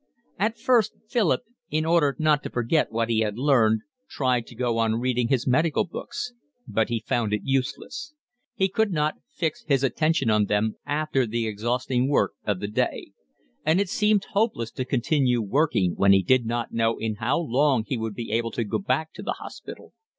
At first Philip, in order not to forget what he had learned, tried to go on reading his medical books, but he found it useless; he could not fix his attention on them after the exhausting work of the day; and it seemed hopeless to continue working when he did not know in how long he would be able to go back to the hospital.